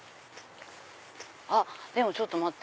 あっでもちょっと待って。